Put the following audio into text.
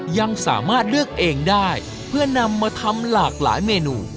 ยังสามารถเลือกเองได้เพื่อนำมาทำหลากหลายเมนู